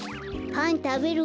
パンたべる？